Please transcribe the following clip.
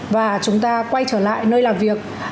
và chúng ta quay trở lại nơi làm việc